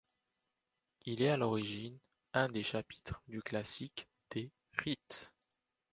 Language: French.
Il est à l'origine un des chapitres du classique des rites.